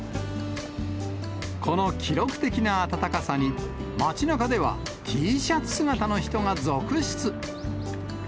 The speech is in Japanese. この記録的な暖かさに、街なかでは、Ｔシャツ姿の人が続出。